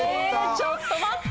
ちょっと待った。